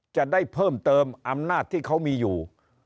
จะได้เพิ่มเติมอำนาจที่เขามีอยู่